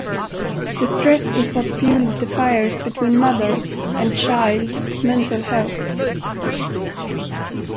The stress is what fueled the fires between mother and child mental health.